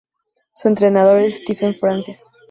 Su entrenador es Stephen Francis.